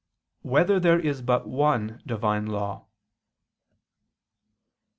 5] Whether There Is but One Divine Law?